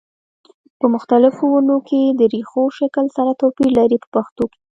په مختلفو ونو کې د ریښو شکل سره توپیر لري په پښتو کې.